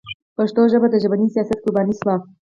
پښتو ژبه د ژبني سیاست قرباني شوې.